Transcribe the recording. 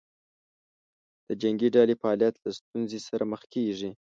د جنګې ډلې فعالیت له ستونزې سره مخ کېږي.